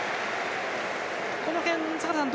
この辺、坂田さん